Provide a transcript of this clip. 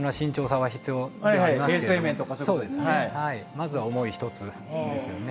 まずは思い一つですよね。